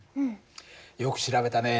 よく調べたね。